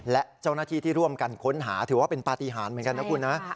และเจ้าหน้าที่ที่ร่วมกันค้นหาถือว่าเป็นปฏิหารเหมือนกันนะคุณนะ